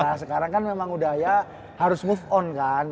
nah sekarang kan memang udaya harus move on kan